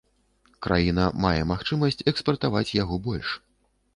Краіна мае магчымасць экспартаваць яго больш.